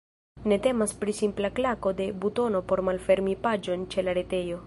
Ne temas pri simpla klako de butono por malfermi paĝon ĉe la retejo.